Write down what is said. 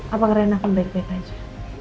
apakah reina akan baik baik aja